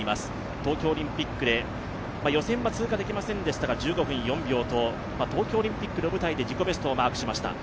東京オリンピックで予選は通過できませんでしたが１５分４秒と、東京オリンピックの舞台で自己ベストをマークしました。